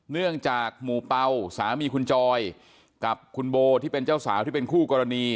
เนื่องจากหมู่เป่าสามีคุณจอยกับคุณโบที่เป็นเจ้าสาวที่เป็นคู่กรณี